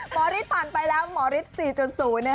หมอริชผ่านไปแล้วหมอริช๔๐นะคะ